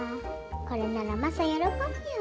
これならマサ喜ぶよ。